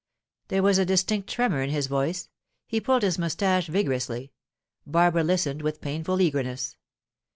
There was a distinct tremor in his voice; he pulled his moustache vigorously. Barbara listened with painful eagerness.